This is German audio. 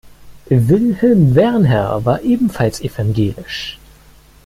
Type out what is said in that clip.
Wilhelm Wernher war ebenfalls evangelisch.